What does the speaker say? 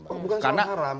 bukan sesuatu yang haram